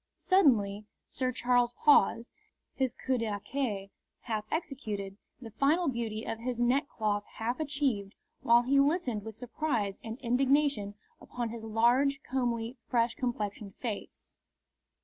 Suddenly Sir Charles paused, his coup d'archet half executed, the final beauty of his neck cloth half achieved, while he listened with surprise and indignation upon his large, comely, fresh complexioned face.